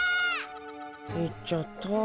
行っちゃった。